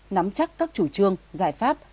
nắm chắc các chủ trương giải pháp